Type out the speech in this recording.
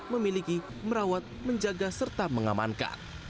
memiliki merawat menjaga serta mengamankan